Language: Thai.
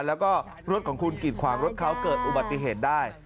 แล้วก็รถของคุณกิดขวางรถเขาเกิดอุบัติเหตุได้